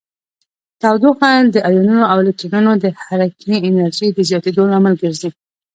تودوخه د ایونونو او الکترونونو د حرکې انرژي د زیاتیدو لامل ګرځي.